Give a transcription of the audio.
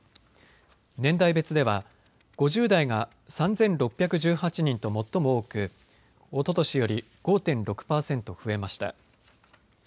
年代別では５０代が３６１８人と最も多くおととしより５．６％増えました。